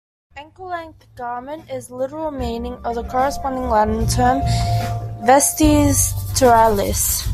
"Ankle-length garment" is the literal meaning of the corresponding Latin term, "vestis talaris".